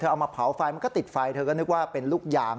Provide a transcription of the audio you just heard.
เอามาเผาไฟมันก็ติดไฟเธอก็นึกว่าเป็นลูกยาง